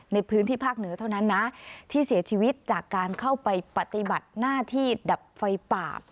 ในพื้นที่ภาคเหนือเท่านั้นนะที่เสียชีวิตจากการเข้าไปปฏิบัติหน้าที่ดับไฟป่า